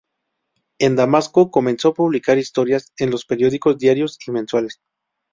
En Damasco, comenzó a publicar historias en los periódicos diarios y mensuales.